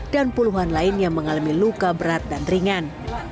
dan puluhan lain yang mengalami luka berat dan ringan